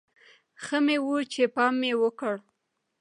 ښه مې و چې پام مې وکړ.